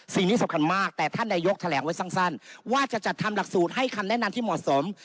สิ่งนี้สำคัญมากแต่ท่านนายกแถลงไว้สั้นว่าจะจัดทำหลักสูตรให้คำแนะนำที่เหมาะสม